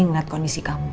ngelihat kondisi kamu